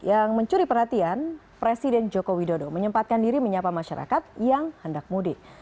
yang mencuri perhatian presiden joko widodo menyempatkan diri menyapa masyarakat yang hendak mudik